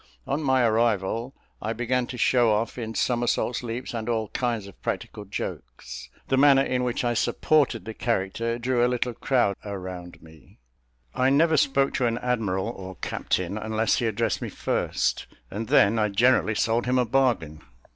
On my arrival, I began to show off in somersaults, leaps, and all kinds of practical jokes. The manner in which I supported the character drew a little crowd around me. I never spoke to an admiral or captain unless he addressed me first; and then I generally sold him a bargain.